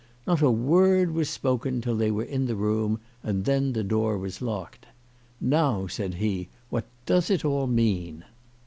Not a word was spoken till they were in the room and the door was locked. " Now," said he, " what does it all mean